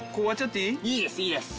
いいですいいです。